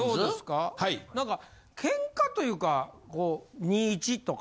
なんかケンカというか２：１とか。